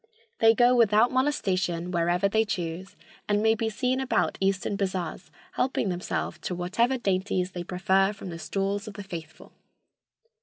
They go without molestation wherever they choose, and may be seen about eastern bazars helping themselves to whatever dainties they prefer from the stalls of the faithful."